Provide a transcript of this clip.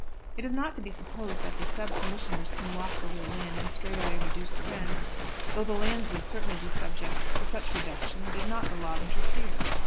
It is not to be supposed that the sub commissioners can walk over the land and straightway reduce the rents, though the lands would certainly be subject to such reduction did not the law interfere.